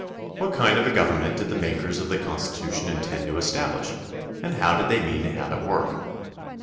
What kind of a government did the makers of the Constitution intend to establish and how did they mean to have it work